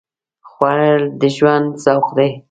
خوړل د ژوند ذوق دی